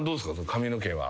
髪の毛は。